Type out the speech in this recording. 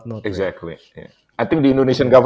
saya pikir pemerintah indonesia juga